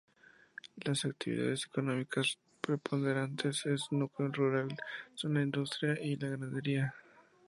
Las actividades económicas preponderantes en este núcleo rural son la industria y la ganadería.